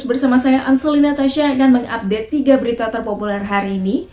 bersama saya ancelina tasya akan mengupdate tiga berita terpopuler hari ini